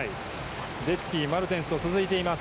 デッティマルテンスと続いています。